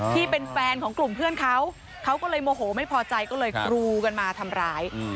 ที่เป็นแฟนของกลุ่มเพื่อนเขาเขาก็เลยโมโหไม่พอใจก็เลยกรูกันมาทำร้าย